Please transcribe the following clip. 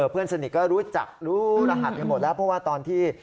เพื่อนสนิทก็รู้จักรู้รหัสกันหมดแล้วเพราะว่าตอนที่